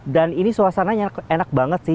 dan ini suasananya enak banget sih